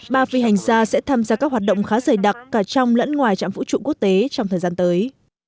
ba phi hành gia sẽ tham gia các hoạt động khá dày đặc cả trong lẫn ngoài trạm vũ trụ quốc tế trong thời gian tới